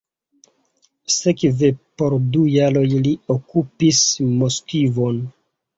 Sekve por du jaroj li okupis Moskvon.